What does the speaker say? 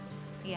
iya gak nyaman